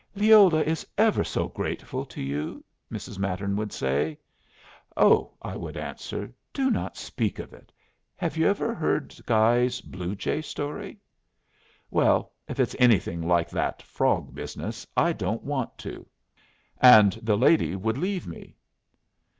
"Leola is ever so grateful to you," Mrs. Mattern would say. "Oh," I would answer, "do not speak of it. Have you ever heard Guy's 'Blue Jay' story?" "Well, if it's anything like that frog business, I don't want to." And the lady would leave me.